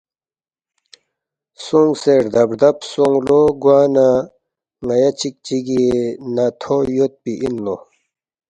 سونگسے ردب ردب سونگ لو، گوا نہ ن٘یا چِک چگی نا تھو یودپی اِن لو